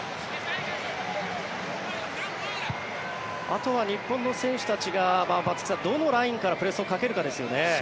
あとは日本の選手たちが松木さん、どのラインからプレスをかけるかですよね。